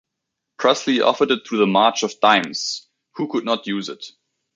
Presley offered it to the March of Dimes who could not use it.